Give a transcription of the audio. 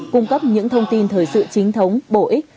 cung cấp những thông tin thời sự chính thống bổ ích